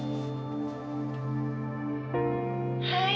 「はい」